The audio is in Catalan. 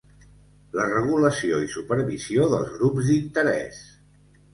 La regulació i supervisió dels grups d'interès.